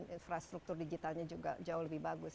infrastruktur digitalnya juga jauh lebih bagus